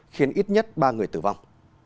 khiến ít nhất ba người tử vong